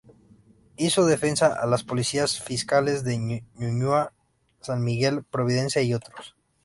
Hizo defensa a las policías fiscales de Ñuñoa, San Miguel, Providencia y otros.